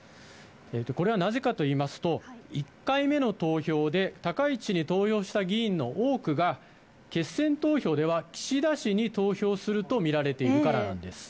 これはなぜかといいますと、１回目の投票で、高市氏に投票した議員の多くが、決選投票では岸田氏に投票すると見られているからなんです。